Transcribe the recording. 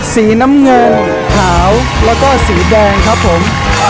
สีน้ำเงินขาวแล้วก็สีแดงครับผม